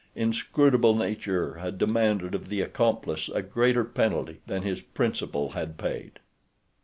Inscrutable Nature had demanded of the accomplice a greater penalty than his principal had paid.